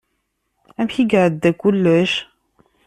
Amek ay iɛedda kullec?